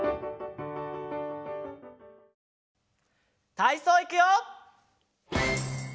たいそういくよ！